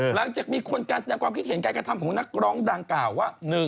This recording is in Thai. หลังจากมีคนนางคิดเห็นกายกระทำของนักร้องรางกร่าวว่า